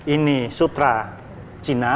ini sutra china